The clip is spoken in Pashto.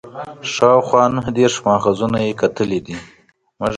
شاوخوا نهه دېرش ماخذونه یې کتلي دي.